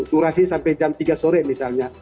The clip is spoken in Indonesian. durasi sampai jam tiga sore misalnya